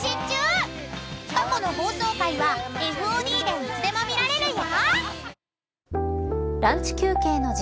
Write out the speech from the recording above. ［過去の放送回はＦＯＤでいつでも見られるよ］